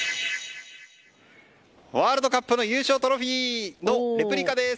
ワールドカップの優勝トロフィーのレプリカです。